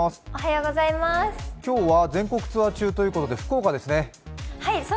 今日は全国ツアー中ということで福岡ですね。